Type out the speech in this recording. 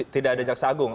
tidak ada jaksa agung